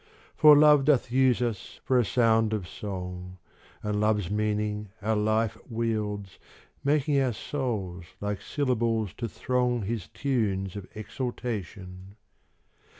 For Love doth use us for a sound of song, And Love's meaning our life wields, Making our souls like syllables to throng His tunes of exultation.